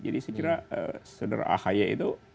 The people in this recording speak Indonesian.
jadi sekiranya saudara akhaya itu